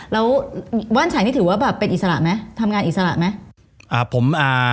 แล้วว่านชัยนี่ถือว่าแบบเป็นอิสระไหมทำงานอิสระไหม